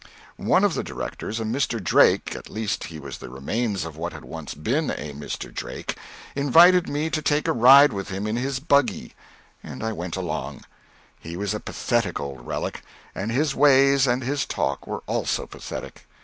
One of the directors, a Mr. Drake at least he was the remains of what had once been a Mr. Drake invited me to take a ride with him in his buggy, and I went along. He was a pathetic old relic, and his ways and his talk were also pathetic.